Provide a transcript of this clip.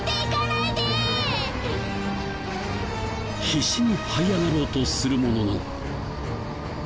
必死にはい上がろうとするものの。